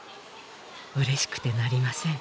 嬉しくてなりません